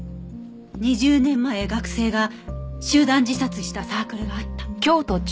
２０年前学生が集団自殺したサークルがあった。